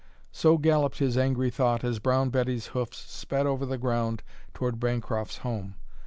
So galloped his angry thought as Brown Betty's hoofs sped over the ground toward Bancroft's home.